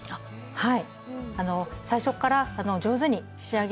はい。